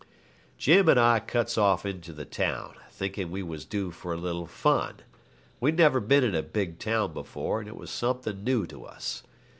Jim and I cuts off into the town, thinking we was due for a little fun. We'd never been in a big town before, and it was something new to us.